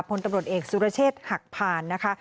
พลตำรวจเอกสุรเชษฐ์หักผ่านนะคะ